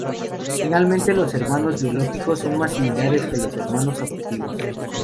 Finalmente los hermanos biológicos son más similares que los hermanos adoptivos.